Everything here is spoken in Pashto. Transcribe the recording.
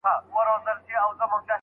سترگې مې اوس نه برېښي د خدای له نور